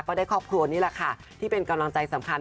ได้ครอบครัวนี่แหละค่ะที่เป็นกำลังใจสำคัญ